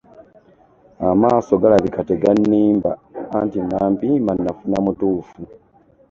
Amaaso galabika tegannimba anti Nampiima nafuna mutuufu.